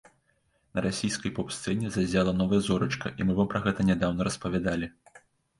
На расійскай поп-сцэне заззяла новая зорачка, і мы вам пра гэта нядаўна распавядалі.